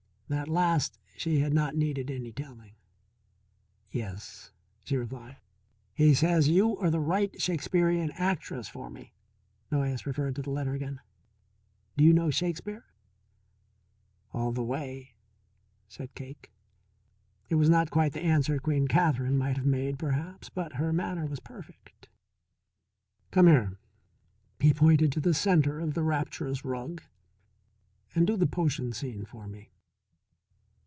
That last she had not needed any telling. "Yes," she replied. "He says you are the right Shakespearian actress for me," Noyes referred to the letter again. "Do you know Shakespeare?" "All the way," said Cake. It was not quite the answer Queen Katherine might have made, perhaps, but her manner was perfect. "Come here" he pointed to the centre of the rapturous rug "and do the potion scene for me."